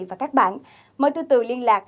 và các bạn mời từ từ liên lạc